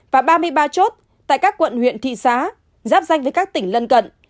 và ba mươi ba chốt tại các quận huyện thị xã giáp danh với các tỉnh lân cận